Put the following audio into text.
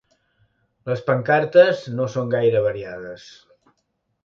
Les pancartes no són gaire variades.